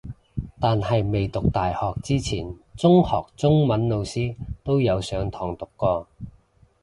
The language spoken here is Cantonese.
但係未讀大學之前中學中文老師都有上堂讀過